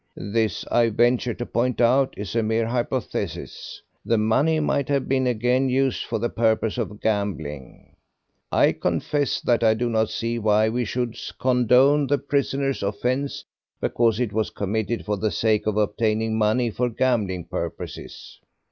This, I venture to point out, is a mere hypothesis. The money might have been again used for the purpose of gambling. I confess that I do not see why we should condone the prisoner's offence because it was committed for the sake of obtaining money for gambling purposes.